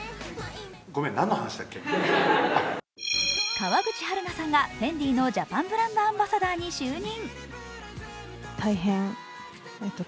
川口春奈さんがＦＥＮＤＩのジャパンブランドアンバサダーに就任。